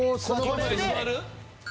座る？